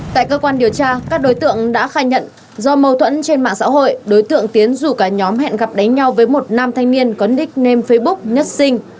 tại cơ quan điều tra các đối tượng đã khai nhận do mâu thuẫn trên mạng xã hội đối tượng tiến rủ cả nhóm hẹn gặp đánh nhau với một nam thanh niên có nickname facebook nhất sinh